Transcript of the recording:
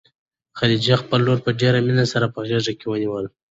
خدیجې خپله لور په ډېرې مینې سره په غېږ کې ونیوله.